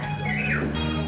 nah pak ustadz rw